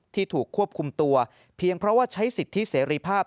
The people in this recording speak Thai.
ที่ถูกควบคุมตัวเพียงเพราะว่าใช้สิทธิเสรีภาพ